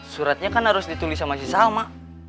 suratnya kan harus ditulis sama si salma